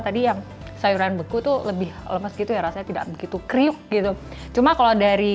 tadi yang sayuran beku tuh lebih lemes gitu ya rasanya tidak begitu kriuk gitu cuma kalau dari